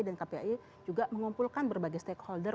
dan kpai juga mengumpulkan berbagai stakeholder